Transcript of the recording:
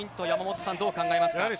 山本さん、どう考えますか？